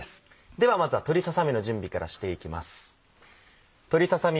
ではまずは鶏ささ身の準備からしていきます。